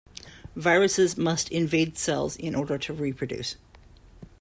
Viruses must invade cells in order to reproduce.